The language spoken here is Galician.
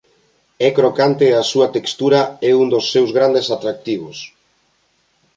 É crocante e a súa textura é un dos seus grandes atractivos.